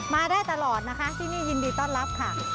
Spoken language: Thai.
มาได้ตลอดนะคะที่นี่ยินดีต้อนรับค่ะ